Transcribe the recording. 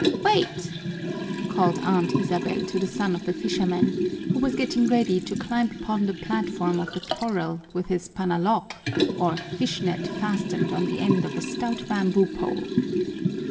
"Wait!" called Aunt Isabel to the son of the fisherman, who was getting ready to climb upon the platform of the corral with his panalok, or fish net fastened on the end of a stout bamboo pole.